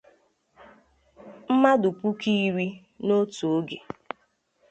mmadụ puku iri n'otu oge